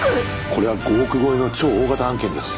これは５億超えの超大型案件です。